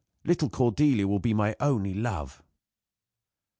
Little Cordelia will be my only love."